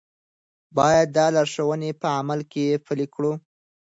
باید دا لارښوونې په عمل کې پلي کړو.